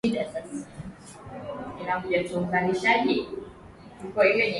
Namba mbili ni Diego Maradona mwamba huyu alikua ana uwezo wa kutembea na kijiji